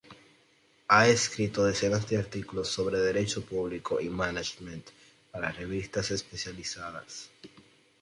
Ha escrito decenas de artículos sobre Derecho público y management para revistas especializadas.